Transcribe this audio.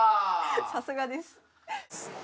さすがです。